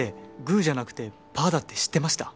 「グーじゃなくてパーだって知ってました？」